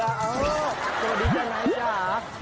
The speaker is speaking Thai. โอ้โหสวัสดีเจ้านะจ๊ะ